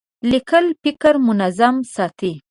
لیکل فکر منظم ساتي.